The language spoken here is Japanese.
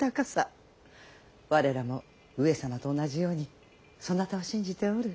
我らも上様と同じようにそなたを信じておる。